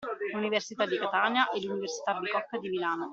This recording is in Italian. L’Università di Catania e L’Università Bicocca di Milano.